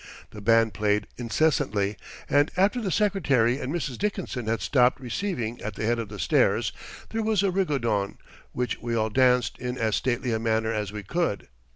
The band played incessantly, and after the Secretary and Mrs. Dickinson had stopped receiving at the head of the stairs, there was a rigodon, which we all danced in as stately a manner as we could.